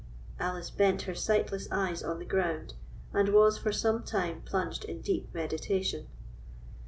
Alice bent her sightless eyes on the ground, and was for some time plunged in deep meditation.